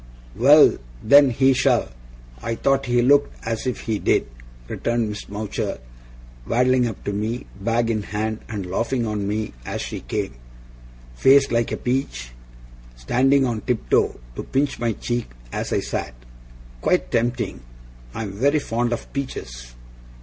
'Well, then, he shall! I thought he looked as if he did!' returned Miss Mowcher, waddling up to me, bag in hand, and laughing on me as she came. 'Face like a peach!' standing on tiptoe to pinch my cheek as I sat. 'Quite tempting! I'm very fond of peaches.